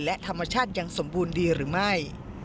และธรรมชาติยังสมบูรณ์ดีหรือไม่